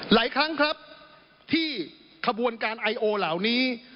หลายครั้งครับที่ขบวนการไอโอเหล่านี้